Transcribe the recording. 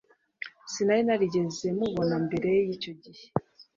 Sinari narigeze mubona mbere yicyo gihe.